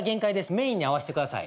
メインに合わせてください。